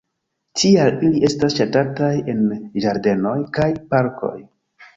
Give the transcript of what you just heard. Tial ili estas ŝatataj en ĝardenoj kaj parkoj.